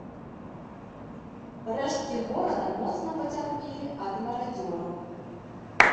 Рэшткі горада моцна пацярпелі ад марадзёраў.